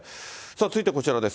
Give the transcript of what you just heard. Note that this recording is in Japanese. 続いてはこちらです。